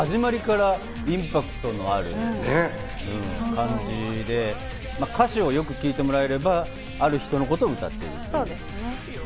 最初、聴いたとき始まりからインパクトがある感じで、歌詞をよく聴いてもらえれば、ある人のことを歌っている。